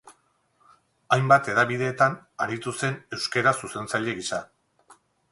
Hainbat hedabidetan aritu zen euskara zuzentzaile gisa.